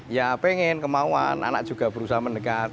ya pengen kemauan anak juga berusaha mendekat